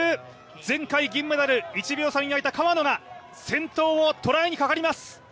前回銀メダル、１秒差に泣いた川野が先頭を捉えにかかります！